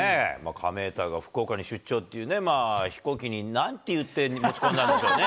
カメーターが福岡に出張っていうね、飛行機になんて言って、持ち込んだんでしょうね。